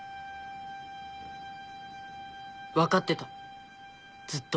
分かってたずっと。